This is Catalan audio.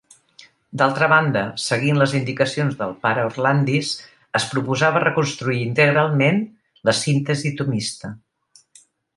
D'altra banda, seguint les indicacions del pare Orlandis, es proposava reconstruir integralment la síntesi tomista.